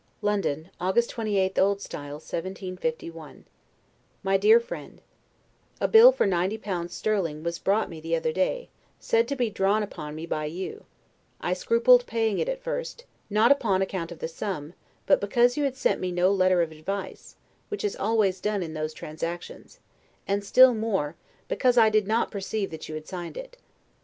Yours. Adieu. LETTER CXXIX LONDON, August 28, O. S. 1751 MY DEAR FRIEND: A bill for ninety pounds sterling was brought me the other day, said to be drawn upon me by you: I scrupled paying it at first, not upon account of the sum, but because you had sent me no letter of advice, which is always done in those transactions; and still more, because I did not perceive that you had signed it.